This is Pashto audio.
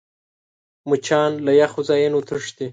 مچان له یخو ځایونو تښتي